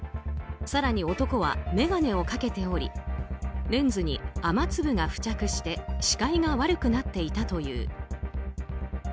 更に男は眼鏡をかけておりレンズに雨粒が付着して視界が悪くなっていたという。